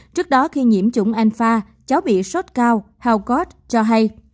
trước đó khi nhiễm chủng alpha cháu bị sốt cao helgort cho hay